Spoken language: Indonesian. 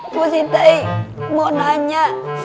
aku sih tai mau nanya